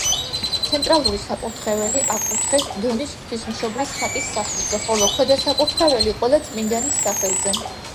ცენტრალური საკურთხეველი აკურთხეს დონის ღვთისმშობლის ხატის სახელზე, ხოლო ქვედა საკურთხეველი ყველა წმინდანის სახელზე.